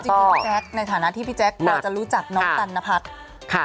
จริงให้พี่แจ๊กในฐานะที่พี่แจ๊กก่อนจะรู้จักน้องการ์นัพัทส์